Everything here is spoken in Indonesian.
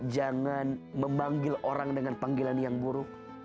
jangan memanggil orang dengan panggilan yang buruk